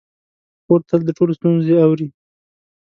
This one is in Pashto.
خور تل د ټولو ستونزې اوري.